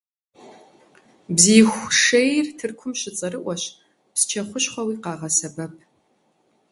Бзииху шейр Тыркум щыцӏэрыӏуэщ, псчэ хущхъуэуи къагъэсэбэп.